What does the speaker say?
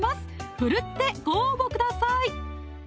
奮ってご応募ください